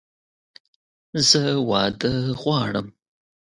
زه واده غواړم!